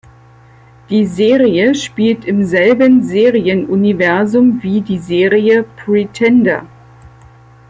Die Serie spielt im selben Serienuniversum wie die Serie "Pretender".